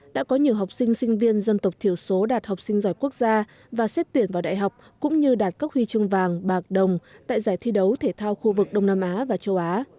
đã có nhiều học sinh sinh viên dân tộc thiểu số đạt học sinh giỏi quốc gia và xét tuyển vào đại học cũng như đạt các huy chương vàng bạc đồng tại giải thi đấu thể thao khu vực đông nam á và châu á